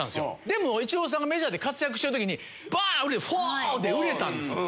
でもイチローさんがメジャーで活躍してる時にバン売れて「フォー！」で売れたんですよ。